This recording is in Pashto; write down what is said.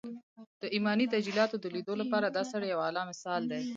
د ايماني تجلياتو د ليدو لپاره دا سړی يو اعلی مثال دی